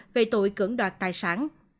về tội cưỡng đoạt tài sản